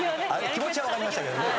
気持ちは分かりました。